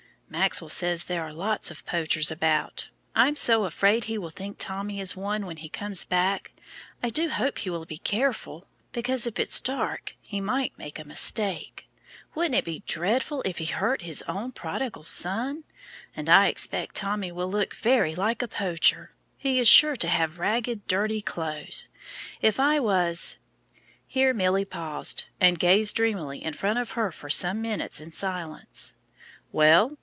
"Maxwell says there are lots of poachers about. I'm so afraid he will think Tommy is one when he comes back. I do hope he will be careful, because if it's dark he might make a mistake. Wouldn't it be dreadful if he hurt his own prodigal son! And I expect Tommy will look very like a poacher. He is sure to have ragged, dirty clothes. If I was " Here Milly paused, and gazed dreamily in front of her for some minutes in silence. "Well?"